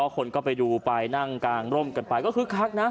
คนก็ไปดูไปนั่งกางร่มกันไปก็คึกคักนะ